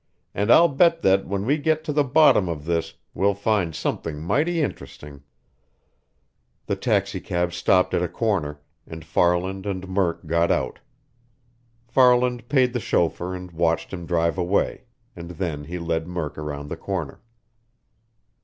And I'll bet that, when we get to the bottom of this, we'll find something mighty interesting." The taxicab stopped at a corner, and Farland and Murk got out. Farland paid the chauffeur and watched him drive away, and then he led Murk around the corner.